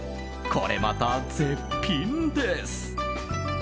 これまた絶品です。